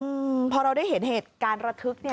อืมพอเราได้เห็นเหตุการณ์ระทึกเนี่ย